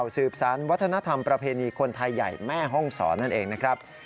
สืบสารวัฒนธรรมประเพณีคนไทยใหญ่แม่ห้องศรนั่นเองนะครับ